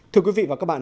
thưa quý vị và các bạn